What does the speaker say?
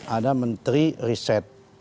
ada menteri riset